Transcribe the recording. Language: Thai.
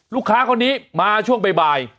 ลูกค้าคนนี้มาช่วงบ่าย